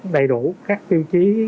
đầy đủ các tiêu chí